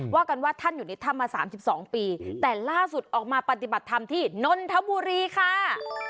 ว่ากันว่าท่านอยู่ในถ้ำมา๓๒ปีแต่ล่าสุดออกมาปฏิบัติธรรมที่นนทบุรีค่ะ